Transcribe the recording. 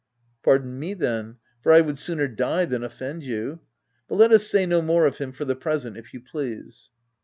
" Pardon me, then, for I would sooner die than offend you — But let us say no more of him for the present if you please."